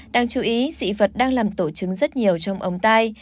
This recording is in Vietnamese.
đang chú ý dị vật đang làm tổ chứng rất nhiều trong ống tai